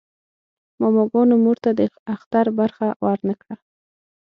ماماګانو مور ته د اختر برخه ورنه کړه.